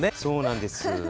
そうなんです。